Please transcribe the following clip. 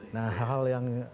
nah hal yang